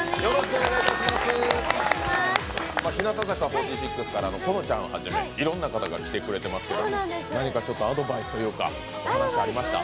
日向坂４６からはこのちゃんはじめいろんな方が来てくれてますが何かアドバイスありましたか？